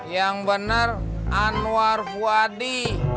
yang bener anwar fuadi